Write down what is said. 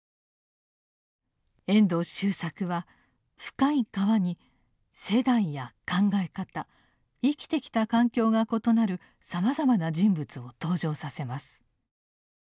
遠藤周作は「深い河」に世代や考え方生きてきた環境が異なるさまざまな人物を登場させます。